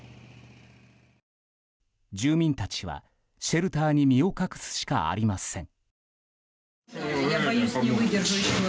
住民たちは、シェルターに身を隠すしかありません。